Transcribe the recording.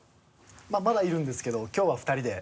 まぁまだいるんですけどきょうは２人で。